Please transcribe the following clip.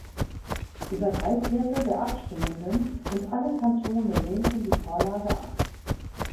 Über drei Viertel der Abstimmenden und alle Kantone lehnten die Vorlage ab.